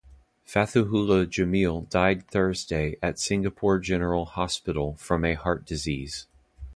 Fathuhulla Jameel died Thursday at Singapore General Hospital from a heart disease.